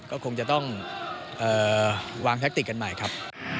ก็คงจะต้องวางแท็กติกกันใหม่ครับ